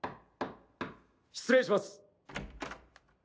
失礼します。